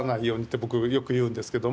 僕よく言うんですけども。